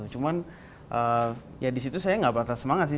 cuma ya disitu saya nggak patah semangat sih